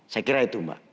saya kira itu mbak